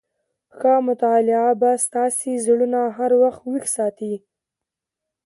ښه مطالعه به ستاسي زړونه هر وخت ويښ ساتي.